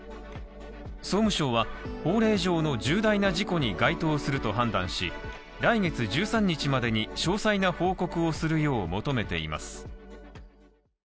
総務省は法令上の重大な事故に該当すると判断し、来月１３日までに詳細な報告をするよう求めています。